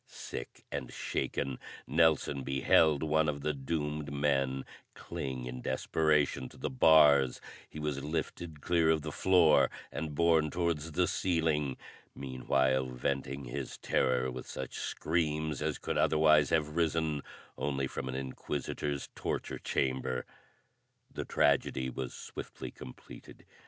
Sick and shaken, Nelson beheld one of the doomed men cling in desperation to the bars; he was lifted clear of the floor and borne towards the ceiling, meanwhile venting his terror with such screams as could otherwise have risen only from an inquisitor's torture chamber. The tragedy was swiftly completed.